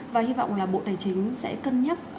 và hy vọng là bộ tài chính sẽ cân nhắc